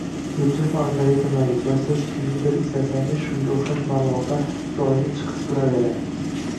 YouTube algoritmlariga koʻra, siz nimanidir izlasangiz shunga oʻxshash maʼlumotlar doimiy chiqib turaveradi.